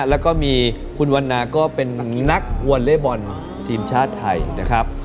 แล้วก็มีคุณวันนาก็เป็นนักวอลเล่บอลทีมชาติไทยนะครับ